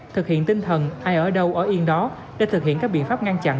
thực hiện tinh thần ai ở đâu ở yên đó để thực hiện các biện pháp ngăn chặn